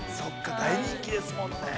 大人気ですもんね。